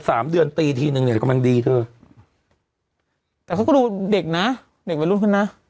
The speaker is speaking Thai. สามเดือนตีทีหนึ่งเนี่ยก็มันดีเถอะแต่เขาก็ดูเด็กน่ะเด็กเป็นรุ่นขึ้นน่ะ